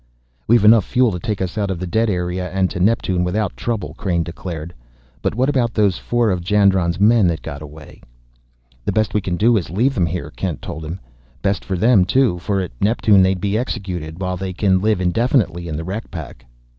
"We've enough fuel to take us out of the dead area and to Neptune without trouble!" Crain declared. "But what about those four of Jandron's men that got away?" "The best we can do is leave them here," Kent told him. "Best for them, too, for at Neptune they'd be executed, while they can live indefinitely in the wreck pack."